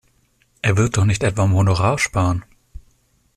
Er wird doch nicht etwa am Honorar sparen!